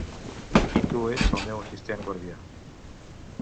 I tu ets el meu assistent-guardià.